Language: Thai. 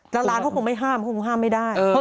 แล้วร้านเขาคงไม่ห้ามเขาคงห้ามไม่ได้